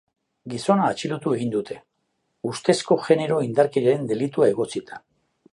Gizona atxilotu egin dute, ustezko genero-indarkeriaren delitua egotzita.